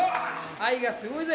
愛がすごいぜ！